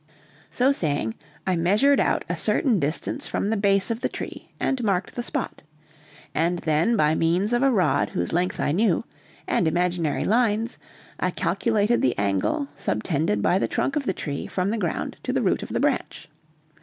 So saying, I measured out a certain distance from the base of the tree and marked the spot, and then by means of a rod whose length I knew, and imaginary lines, I calculated the angle subtended by the trunk of the tree from the ground to the root of the branch.